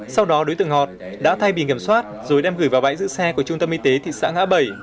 sau đó đối tượng ngọt đã thay biển kiểm soát rồi đem gửi vào bãi giữ xe của trung tâm y tế thị xã ngã bảy